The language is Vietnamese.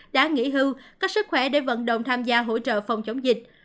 đã nghỉ hưu có sức khỏe để vận động tham gia hỗ trợ phòng chống dịch